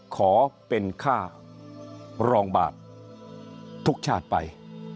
ขอเป็นค่ารองบาททุกชาติไป